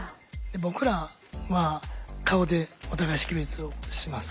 僕らは顔でお互い識別をします。